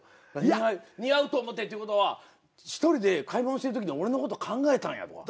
似合うと思ってっていう事は１人で買い物してる時に俺の事考えたんやとか。